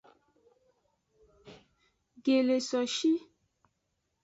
Gelesoshi.